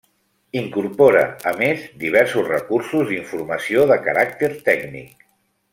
Incorpora, a més, diversos recursos d'informació de caràcter tècnic.